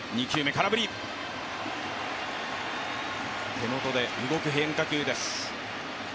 手元で動く変化球です。